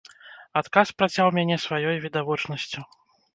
Адказ працяў мяне сваёй відавочнасцю.